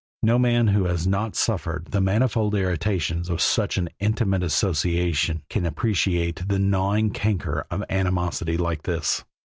No man who has not suffered the manifold irritations of such an intimate association can appreciate the gnawing canker of animosity like this.